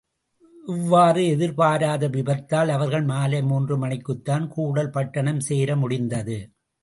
இவ்வாறு எதிர்பாராத விபத்தால் அவர்கள் மாலை மூன்று மணிக்குத்தான் கூடல் பட்டணம் சேர முடிந்தது.